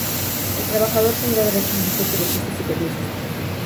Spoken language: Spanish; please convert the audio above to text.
El trabajador tendrá derecho al disfrute de fiestas y permisos.